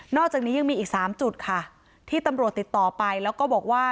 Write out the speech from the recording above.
อกจากนี้ยังมีอีก๓จุดค่ะที่ตำรวจติดต่อไปแล้วก็บอกว่า